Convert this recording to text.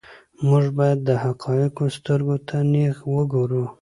موږ باید د حقایقو سترګو ته نیغ وګورو.